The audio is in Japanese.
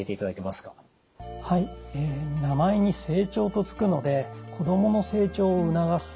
はい名前に「成長」と付くので子供の成長を促す